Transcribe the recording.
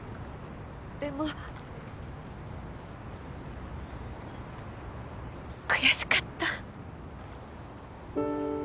でも悔しかった。